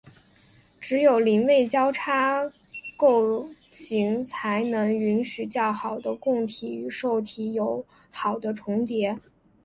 只有邻位交叉构型才能允许较好的供体与受体有好的重叠。